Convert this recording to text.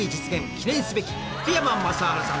記念すべき福山雅治さん